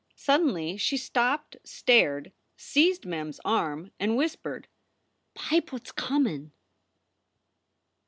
Suddenly she stopped, stared, seized Mem s arm, and whispered, "Pipe what s comin